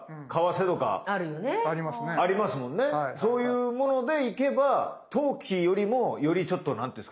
そういうものでいけば投機よりもよりちょっと何て言うんですかね